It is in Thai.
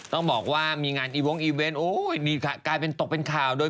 ต้องบอกว่ามีงานอีว้งอีเวนต์กลายเป็นตกเป็นข่าว